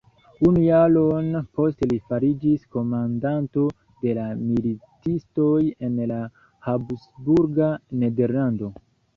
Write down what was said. Unu jaron poste, li fariĝis komandanto de la militistoj en la habsburga nederlando.